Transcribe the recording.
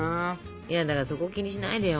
いやだからそこ気にしないでよ